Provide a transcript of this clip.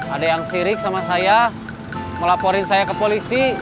ada yang sirik sama saya melaporin saya ke polisi